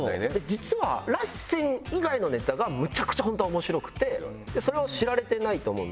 実はラッセン以外のネタがむちゃくちゃホントは面白くてそれを知られてないと思うんで。